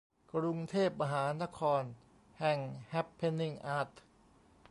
กรุงเทพ มหานครแห่งแฮปเพนนิ่งอาร์ต